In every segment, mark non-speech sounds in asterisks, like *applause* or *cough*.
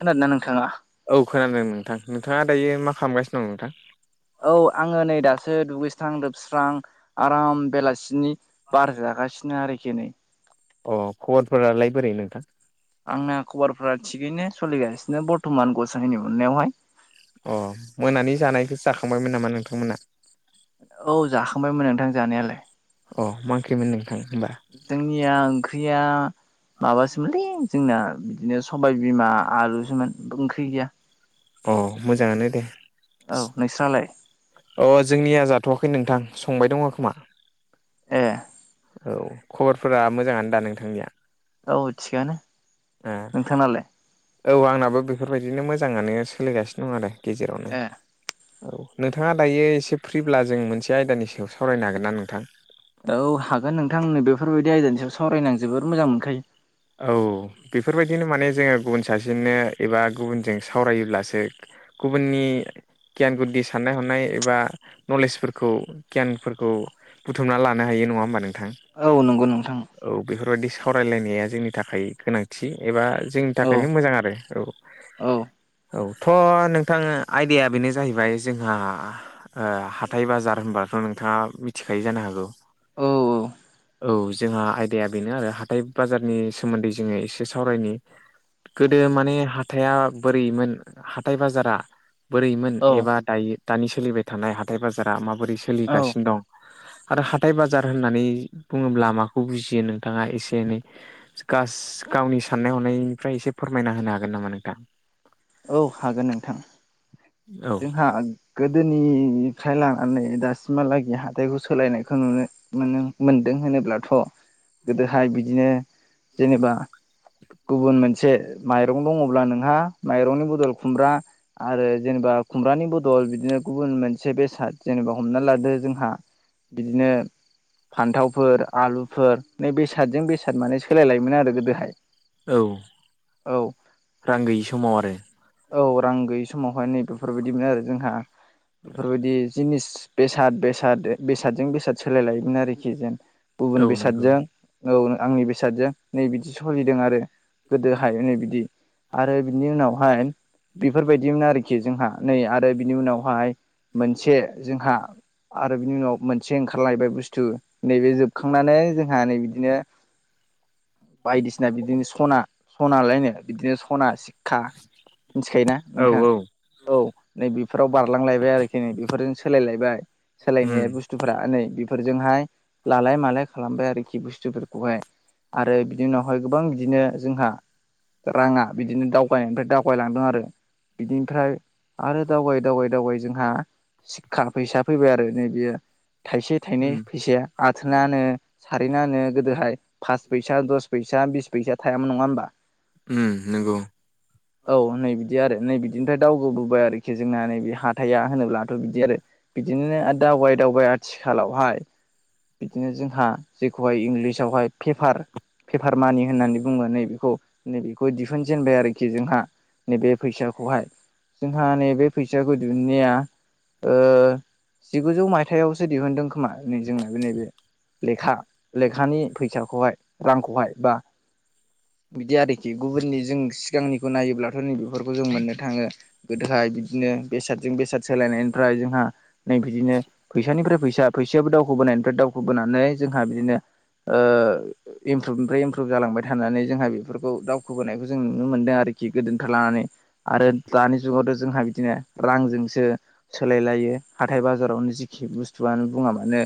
खोनादोंना नोंथाङा? औ खोनादों नोंथां नोंथाङा दायो मा खालामगासिनो दं नोंथां? औ आङो नै दासो दुगैस्रां लोबस्रां आराम बेलासिनि बारजागासिनो आरोखि नै। अ खबरफोरालाय बोरै नोंथां? आंना खबरफोरा थिगैनो सोलिगासिनो बर्थमान गसाइनि अननायावहाय। अ मोनानि जानायखौ जाखांबायमोन नामा नोंथांमोना? औ जाखांबायमोन नोंथां जानायालाय अ माओंख्रिमोन नोंथां होमबा जोंनिया ओंख्रिया माबासोमोनलै जोंना बिदिनो सबायबिमा आलुसोमोन ओंख्रि गैया अ मोजाङानो दे औ नोंस्रालाय अ जोंनिया जाथ'वाखै नोंथां संबाय दङ खोमा ए औ खबरफोरा मोजाङानो दा नोंथांनिया औ थिगानो ओ नोंथांआलाय औ आंनाबो बेफोरबायदिनो मोजाङानो सोलिगासिनो दं आरो गेजेरावनो ए नोंथाङा दायो एसे फ्रिब्ला जों मोनसे आयदानि सायाव सावरायनो हागोन ना नोंथां औ हागोन नोंथांनो बेफोरबायदि आयदानि सायाव सावरायनानै जोबोर मोजां मोनखायो औ बेफोरबायदिनो माने जोङो गुबुन सासेनो एबा गुबुनजों सावरायोब्लासो गुबुननि गियान गुदि साननाय हनाय एबा नलेजफोरखौ गियानफोरखौ बुथुमना लानो हायो नङा होमबा नोंथां औ नंगौ नोंथां औ बेफोरबायादि सावरायलायनाया जोंनि थाखाय गोनांथि एबा जोंनि औ थाखायनो मोजां आरो औ औ औ थ' नोंथाङा आइडाया बेनो जाहैबाय जोंहा ओ हाथाय बाजार होनबाथ' नोंथाङा मिथिखायो जानो हागौ औ औ औ जोंहा आयदाया बेनो आरो हाथाय बाजार नि सोमोन्दै जोङो एसे सावरायनि गोदो माने हाथाइा बोरैमोन हाथाय बाजारा बोरैमोन औ एबा दायो दानि सोलिबाय थानाय हाथाय बाजारा माबोरै औ सोलिगासिनो दं आरो हाथाय बाजार होननानै बुङोब्ला माखौ बुजियो नोंथाङा एसे एनै गास गावनि साननाय हनायनिफ्राय एसे फोरमायना होनो हागोन नामा नोंथां औ हागोन नोंथां औ जोंहा गोदोनिफ्राय लानानै दासिमहालागै हाथाइखौ सोलायनायखौ नुनो मोन मोनदों होनोब्लाथ' गोदोहाय बिदिनो जेनेबा गुबुन मोनसे माइरं दङब्ला नोंहा माइरंनि बदल खुमब्रा आरो जेनेबा खुमब्रानि बदल बिदिनो गुबुन मोनसे बेसाद जेनेबा हमना लादो जोंहा बिदिनो फान्थावफोर आलुफोर नै बेसादजों बेसाद माने सोलायलायोमोन आरो गोदोहाय औ औ रां गैयि समाव आरो औ रां गैयि समावहाय नै बेेफोरबायदिमोन आरो जोंहा बेफोरबायदि जिनिस बेसाद-बेसाद बेसादजों बेसाद सोलाय लायोमोन आरोखि जेन गुबुन औ नंगौ बेसादजों औ आंनि बेसादजों नै बिदि सोलिदों आरो गोदोहाय नै बिदि आरो बिनि उनावहाय बेफोरबायदिमोन आरोखि जोंहा नै आरो बिनि उनावहाय मोनसे जोंहा आरो बिनि उनाव मोनसे ओंखारलायबाय बुस्थु नैबे जोबखांनानै जोंहा नै बिदिनो *inaudible* बायदिसिना बिदिनो सना सनालायनो बिदिनो सना सिशखा मिथिखायोना औ नोंथाङा। औ औ नै बेफोराव बारलांलायबाय आरोखि नै बेफोरजों सोलायलायबाय उम सोलायनाया बुस्थु बुस्थुफोरा नै बेफोरजोंहाय लालाय मालाय खालामबाय आरोखि बुस्थुफोरखौहाय आरो बिनि उनावहाय गोबां बिदिनो जोंहा रांङा बिदिनो दावगायनायनिफ्राय दावगायलांदों आरो बिदिनिफ्राय आरो दावगायै दावगायै दावगायै जोंहा सिखखा फैसा फैबाय आरो नैबियो थाइसे थाइनै उम फैसाया आथोनानो सारेना होनो गोदोहाय पास फैसा दस फैसा बिस फैसा थायामोन नंङा होमबा? उम नोंगौ। औ नै बिदि आरो नै बिदिनिफ्राय दाव गोब हाय आरोखि जोंना नैबे हाथाइा होनोब्लाथ' बिदि आरो। बिदिनो आरो दावबाय-दावबाय आथिखालावहाय बिदिनो जोंहा जेखौहाय इंलिसावहाय पेपार पेपार मानि होननानै बुंबा नै बेखौ नै बेखौ दिहुनजेनबाय आरोखि जोंहा। नैबे फैसाखौहाय जोंहा नैबे फैसाखौ दिहुननाया ओ जिगुजौ माइ थायावसो दिहुनदों खोमा नै जोंना बे नैबे लेखा लेखानि फैसाखौहाय। रांखौहाय बा बिदि आरोखि गुबुननि जों सि सिगांनिखौ नायोब्लाथ' नैबेफोरखौ जों मोननो थांङो। गोदोहाय बिदिनो बेसादजों बेसाद सोलायनायनिफ्राय जोंहा नै बिदिनो फैसानिफ्राय फैसा फैसायाबो दावखोबोनायनिफ्राय दावखोबोनानै जोंहा बिदिनो ओ इमप्रुभनिफ्राय इमप्रुभ जालांबाय थानानै जोंहा बेफोरखौ दावखोबोनायखौ जों नुनो मोनदों आरोखि गोदोनिफ्राय लानानै आरो दानि जुगावथ' जोंहा बिदिनो रांजोंसो सोलाय लायो हाथाय बाजारावनो जिखि बुस्थु थुआनो बुंङा मानो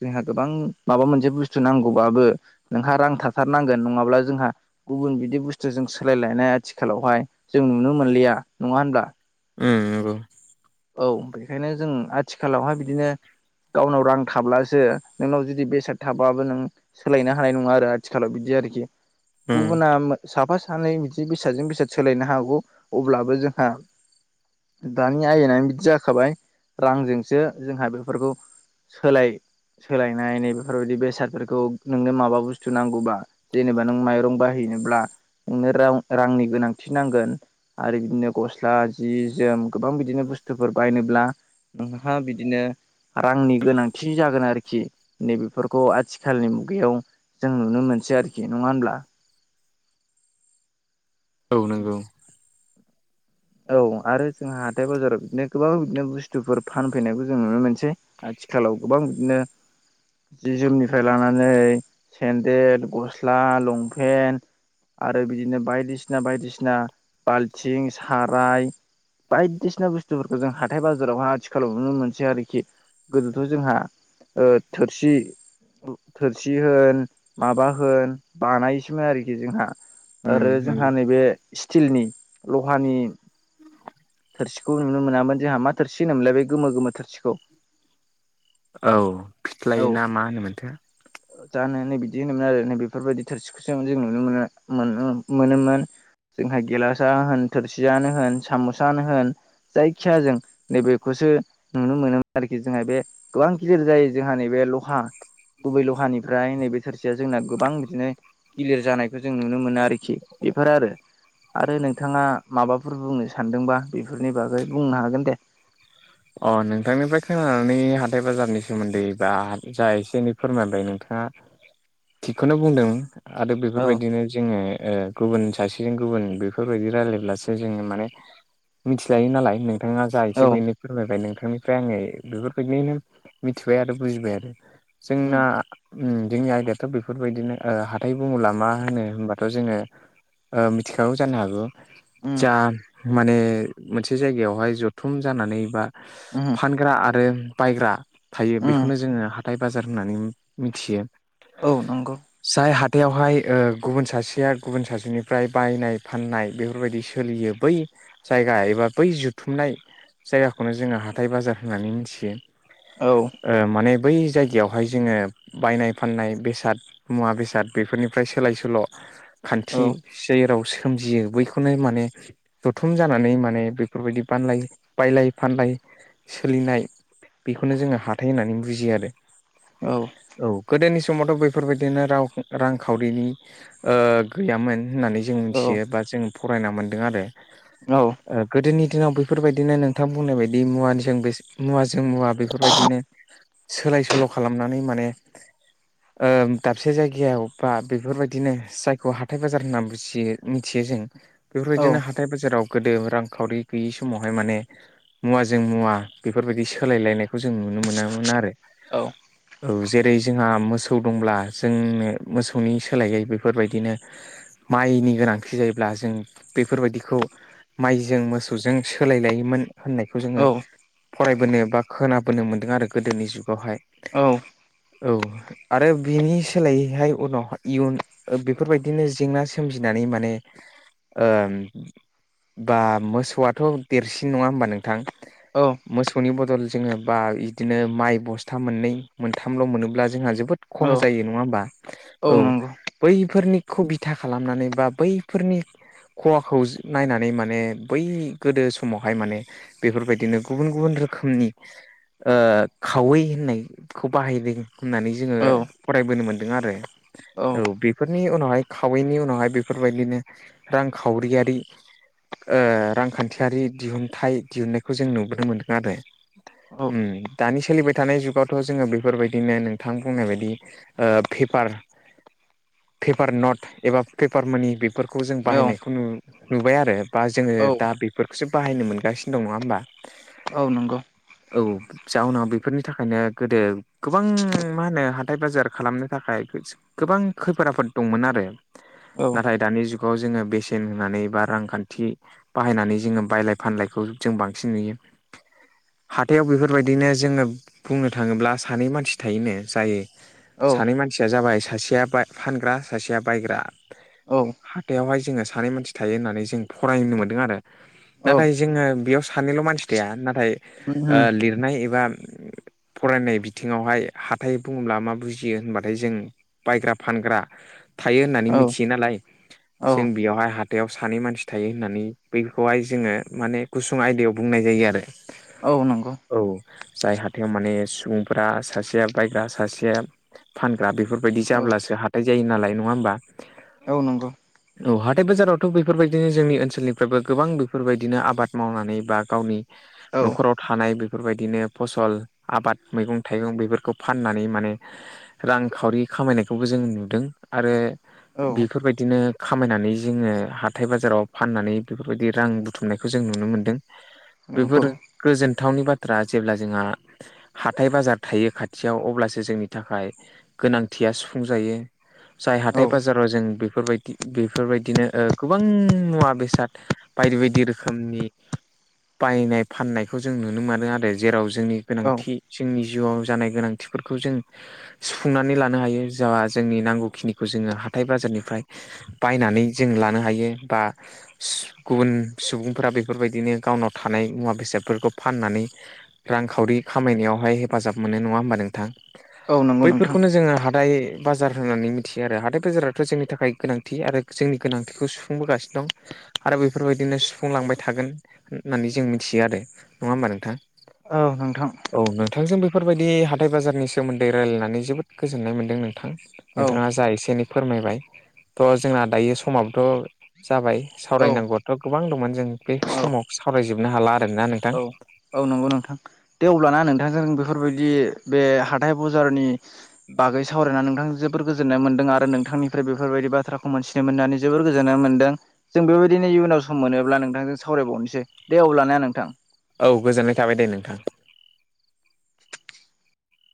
जोंहा गोबां माबा मोनसे बुस्थु नांगौबाबो नोंहा रां थाथारनांगोन नंङाब्ला जोंहा गुबुन बिदि बुस्थुजों सोलायलायनाय आथिखालावहाय जों नुनो मोनलिया नंङा होनब्ला। उम नोंगौ। औ बेखायनो जों आथिखालावहाय बिदिनो गावनाव रां थाब्लासो नोंनाव जुदि बेसाद थाबाबो नों सोलायनो हानाय नंङा आरो आथिखालाव बिदि आरोखि। उम गुबुना मो साफा सानै बिदि बेसादजों बेसाद सोलायनो हागौ अब्लाबो जोंहा दानि दा आयेनानो बिदि जाखाबाय रांजोंसो जोंहा बेफोरखौ सोलाय सोलायनाय नै बेफोरबायदि बेसादफोरखौ नोंनो माबा बुस्थु नांगौबा जेनेबा नों माइरं बाहैनोब्ला नोंनो रां-रांनि गोनांथि नांगोन आरो बिदिनो गस्ला जि जोम गोबां बिदिनो बुस्थुफोर बायनोब्ला नोंहा बिदिनो रांनि गोनांथि जागोन आरोखि नैबेफोरखौ आथिख सालनि मुगायाव जों नुनो मोनसै आरोखि नंङा होनब्ला। औ नंगौ। औ आरो जोंहा हाथाय बाजाराव बिदिनो गोबां बिदिनो बुस्थुफोर फानफैनायखौ जों नुनो मोनसै आथिखालाव गोबां बिदिनो जि जोमनिफ्राय लानानै सेन्देल गस्ला लंपेन्ट आरो बिदिनो बायदिसिना बायदिसिना बाल्थिं साराय बायदिसिना बुस्थुफोरखौ जों हाथाय बाजारावहाय आथिखालाव नुनो मोनसै आरोखि। गोदोथ' जोंहा ओ थोरसि थोरसि होन माबा होन बानायोसोमोन आरोखि जोंहा। उम आरो जोंहा नंगौ नैबे स्टिलनि लहानि थोरसि खौ नुनो मोनामोन जोंहा मा थोरसि होनोमोनलाय बे गोमो गोमो थोरसिखौ औ औ फिथ्लाय ना मा होनोमोनथो। जानो नै बिदि होनोमोन आरो नै बेफोरबायदि थोरसि जों नुनो मोनो मोनोमोन मोनोमोन जोंहा गेलासा होन थोरसियानो होन साम'सानो होन जायखिया जों नैबेखौसो। नुनो मोनोम आरोखि जोंहा बे गोबां गिदिर जायो जोंहा नैबे लहा गुबै लहानिफ्राय नैबे थोरसिया जोंना गोबां बिदिनो गिलिर जानाय बेखौ जों नुनो मोनो आरोखि बेफोरो आरो आरो नोंथाङा माबाफोर बुंनो सानदोंबा बेफोरनि बागै बुंनो हागोन दे। अ नोंथांनिफ्राय खोनानानै हाथाय बाजारनि सोमोन्दै बा जा एसे एनै फोरमायबाय नोंथाङा थिगखौनो बुंदों आरो औ बेफोरबायदिनो जोङो गुबुन सासेजों गुबुन बेफोरबायदि रायलायब्लासो जोङो माने मिथिलायो नालाय नों नोंथाङा जा औ एसे एनै फोरमायबाय नोंथांनिफ्राय आङो बेफोरबायदियैनो मिथिबाय आरो बुजिबाय आरो उम जोंना जोंनि आयदायाथ' बेफोरबायदिनो हाथाय बुङोब्ला मा होनो होमबाथ' जोङो मिथिखागौ जानो हागौ। उम जा माने मोनसे जायगायावहाय जथुम जानानै बा उम फानग्रा आरो बायग्रा थायो उम बेखौनो जोङो हाथाइ बाजार होननानै मिथियो। औ नंगौ। जाय हाथायावहाय गुबुन सासेया गुबुन सासेनिफ्राय बायनाय फाननाय बेफोरबायदि सोलियो बै जायगा एबा बै जुथुमनाय जायगाखौ बेखौनो जोङो हाथाय बाजार होननानै मिथियो। औ माने बै जायगायावहाय जोङो बायनाय फाननाय बेसाद मुवा बेसाद बेफोरनिफ्राय सोलाय सोल' औ खान्थि जेराव सोमजियो बैखौनो माने जथुम जानानै माने बेफोरबायदि बानलाय बायलाय फानलाय सोलिनाय बेखौनो जोङो हाथाइ होननानै बुजियो आरो। औ औ गोदोनि समावथ' बेफोरबायदिनो रांखावरिनि गैयामोन होननानै जों औ मिथियो बा जों फरायना मोन्दों आरो। औ गोदोनि दिनाव बेफोरबायदिनो नोंथां बुंनाय बायदि मुवानि जों बे मुवाजों मुवा बेफोरबायदिनो सोलाय सोल' खालामनानै माने दाबसे जायगायाव बा बेफोरबायदिनो जायखौ हाथाइ बाजार होननाथियो मिथियो जों बेफोरबायदिनो औ हाथाय बाजाराव गोदो रांखावरि गैयि समावहाय माने मुवाजों मुवा बेफोरबायदि सोलायलायनायखौ जों नुनो मोनामोन आरो। औ औ जेरै जोंहा मोसौ दंब्ला जोंनो मोसौनि सोलायै बेफोरबायदिनो माइनि गोनांथि जायोब्ला जों बेफोरबायदिखौ माइजों मोसौजों सोलायलायोमोन। होननायखौ जोङो औ फरायबोनो बा खोनाबोनो मोनदों आरो गोदोनि जुगावहाय। औ। औ आरो बिनि सोलायैहाय उनाव इयुन ओ बेफोरबायदिनो जेंना सोमजिनानै माने ओम बा मोसौआथ' देरसिन नङा होमबा नोंथां? औ। मोसौनि बदल जोङो बा बिदिनो माइ बस्था मोननै मोनथामल' मोनोब्ला जोंहा जोबोद खहा जायो नङा होमबा औ। बैफोरनिखौ बिथा खालामनानै बा बैफोरनि खहाखौ नायनानै माने बै गोदो स मावहाय माने बेफोरबायदिनो गुबुन गुबुन रोखोमनि ओ खावै होननायखौ बाहायदों होननानै जोङो औ फरायबोनो मोनदों आरो औ बे फोरनि उनावहाय खावैनि उनावहाय बेफोरबायदिनो रांखावरियारि ओ रांखान्थियारि दिहुनथाइ दिहुनन्नायखौ जों नुबोनो मोन्दों आरो। औ उम दानि सोलिबाय थानाय जुगावथ' जोङो बेफोरबायदिनो नोंथां बुंनाय बायदि ओ फेपार फेपार नट एबा फेपार मानि बेफोरखौ जों बाहायनायखौ नु नुबाय आरो बा जोङो औ दा बेफोरखौसो बाहायनो मोनगासिनो दं नङा होमबा? नोंगौ। औ। जाउनाव बेफोरनि थाखायनो गोदो गोबां मा होनो हाथाय बाजार खालामनो थाखाय गोबां खैफोद आफोद दंमोन आरो। औ नाथाय दानि जुगाव जोङो बेसेन होनानै बा रांखान्थि बाहायनानै जोङो बायलाय फानलायखौ जों बांसिन नुयो। हाथायाव बेफोरबायदिनो जोङो बुंनो थाङोब्ला सानै मानसि थायोनो जाय औ सानै मानसिया जाबाय सासेया बा फानग्रा सासेया बायग्रा हाथायावहाय जोङो सानै मानसि थायो होननानै जों फरायनो मोन्दों आरो। औ नाथाय जोङो बेयाव सानैल' मानसि थाया नाथाय उम ओ लिरनाय एबा फरायनाय बिथिङावहाय हाथाय बुङोब्ला मा बुजियो होनबाथाय जों बायग्रा फानग्रा थायो होननानै औ मिथियो नालाय औ जों बेयावहाय हाथायाव सानै मानसि थायो होननानै बैखौहाय जोङो माने गुसुं आयदायाव बुंनाय जायो आरो। औ नंगौ। औ जाय हाथायाव माने सुबुंफोरा सासेया बायग्रा सासेया फानग्रा बेफोरबायदि औ जाब्लासो हाथाय जायो नालाय नङा होमबा? औ नंगौ। औ हाथाय बाजारावथ' बेफोरबायदिनो जोंनि ओनसोलनि बो गोबां बेफोरबायदिनो आबाद मावनानै बा गावनि औ न'खराव खानाय बेफोरबायदिनो फसल आबाद मैगं थाइगं बेफोरखौ फाननानै माने रांखावरि खामायनायखौबो जों नुदों आरो बेफोरबायदिनो खामायनानै जोङो हाथाय बाजाराव फाननानै बेफोरबायदि रां बुथुमनायखौ जों नुनो मोन्दों। बेफोरो गोजोनथावनि बाथ्रा जेब्ला जोंहा हाथाय बाजार थायो खाथियाव अब्लासो जोंनि थाखाय गोनांथिया सुफुंजायो। जाय हाथाय बाजाराव जों बेफोरबायदि बेफोरबायदिनो ओ गोबां मुवा बेसाद बायदि बायदि रोखोमनि बायनाय फाननायखौ जों नुनो मोनो आरो जेराव जोंनि औ गोनांथि जोंनि जिउआव जानाय गोनांथि खथिफोरखौ जों सुफुंनानै लानो हायो जा जोंनि नांगौखिनिखौ जोङो हाथाय बाजारनिफ्राय बायनानै जों लानो हायो बा गुबुन सुबुंफोरा बेफोरबायदिनो गावनाव थानाय मुवा बेसादफोरखौ फाननानै रांखावरि खामायनायावहाय हेफाजाब मोनो नङा होमबा नोंथां। औ नंगौ नोंथां बैफोरखौनो जोङो हाथाइ बाजार होननानै मिथियो आरो हाथाय बाजाराथ' जोंनि थाखाय गोनांथि आरो जोंनि गोनांथिखौ सुफुंबोगासिनो दं। आरो बेफोरबायदिनो सुफुंलांबाय थागोन होननानै जों मिथियो आरो। नङा होमबा नोंथां? औ नोंथां। औ नोंथां जों बेफोरबायदि हाथाइ बाजारनि सोमोन्दै रायजलायनानै जोबोद गोजोननाय मोनदों नोंथां। औ नोंथाङा जा एसे एनै फोरमायबाय थ' जोंना दायो समाबोथ' जाबाय। औ सावरायनांगौआथ' गोबां दंमोन जों बे औ समाव सावरायजोबनो हाला आरोना नोंथां? औ औ नोंथां दे अब्लाना नोंथांजों बेफोरबायदि बे हाथाय बाजारनि बागै सावरायनानै नोंथां जोबोर गोजोननाय मोनदों आरो नोंथांनिफ्राय बेफोरबायदि बाथ्राखौ मोनसे मिथिनो मोननानै जोबोर गोजोननाय मोन्दों जों बेबायदिनो इयुनाव सम मोनोब्ला नोंथांजों सावरायबावनोसै। दे अब्लाना नोंथां औ गोजोननाय थाबाय दे नोंथां।